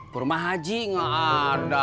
ke rumah haji enggak ada